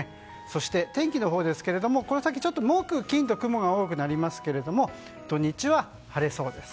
そして、天気のほうですけどもこの先、木金と雲が多くなりますが土日は晴れそうです。